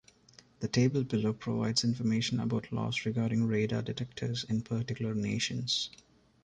The table below provides information about laws regarding radar detectors in particular nations.